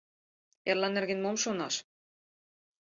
Эрла нерген мом шонаш?!